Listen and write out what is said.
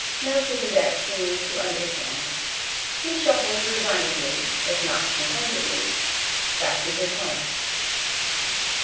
Melchisedec seemed to understand. He shuffled resignedly, if not contentedly, back to his home.